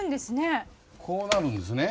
あこうなるんですね。